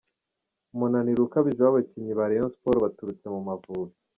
Umunaniro ukabije w’abakinnyi ba Rayon Sports baturutse mu Mavubi.